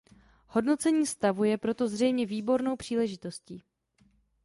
Hodnocení stavu je pro to zřejmě výbornou příležitostí.